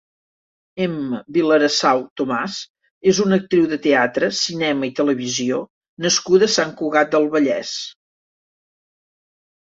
Emma Vilarasau Tomàs és una actriu de teatre, cinema i televisió nascuda a Sant Cugat del Vallès.